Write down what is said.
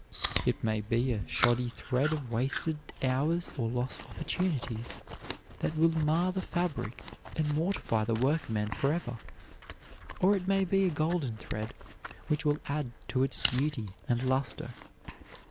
It may be a shoddy thread of wasted hours or lost opportunities that will mar the fabric and mortify the workman forever; or it may be a golden thread which will add to its beauty and luster.